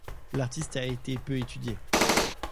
L'artiste a été peu étudié.